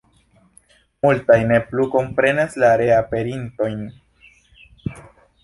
Multaj ne plu komprenas la reaperintojn.